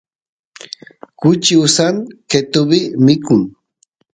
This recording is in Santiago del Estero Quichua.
kuchi usanta qetuvi mikun